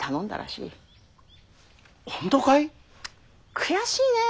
悔しいねえ。